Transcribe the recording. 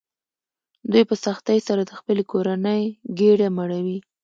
دوی په سختۍ سره د خپلې کورنۍ ګېډه مړوي